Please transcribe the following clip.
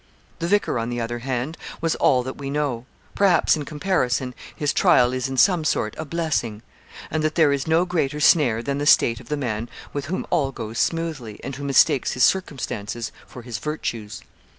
The vicar, on the other hand, was all that we know. Perhaps, in comparison, his trial is, in some sort, a blessing; and that there is no greater snare than the state of the man with whom all goes smoothly, and who mistakes his circumstances for his virtues.